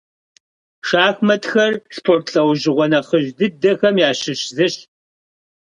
Шахматхэр спорт лӏэужьыгъуэ нэхъыжь дыдэхэм ящыщ зыщ.